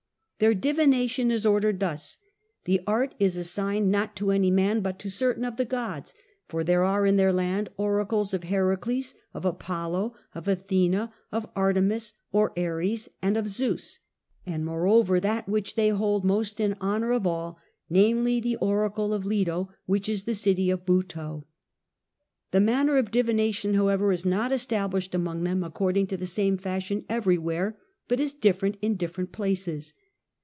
Their divination is ordered thus: the art is assigned not to any man but to certain of the gods, for there are in their land Oracles of Heracles, of Apollo, of Athene, of Artemis, or Ares, and of Zeus, and moreover that which they hold most in honour of all, namely the Oracle of Leto which is in the city of Buto. The manner of divination however is not established among them according to the same fashion everywhere, but is different in different places.